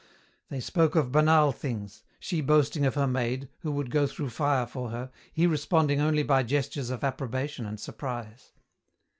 They spoke of banal things: she boasting of her maid, who would go through fire for her, he responding only by gestures of approbation and surprise.